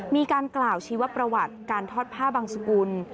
มีการกล่าวชีวประวัติการทอดผ้าบังสกุล